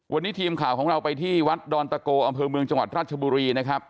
วันนี้ทีมข่าวของเราไปที่วัดดอนตะโกอำเภอเมืองจังหวัดราชบุรีนะครับ